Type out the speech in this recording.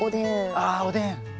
ああおでん。